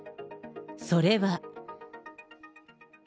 それは。